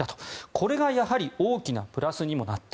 これがやはり大きなプラスにもなった。